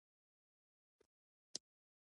هر څوک حق لري چې خپله قضیه عدلي محکمې ته یوسي.